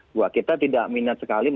buat kita tidak minat sekali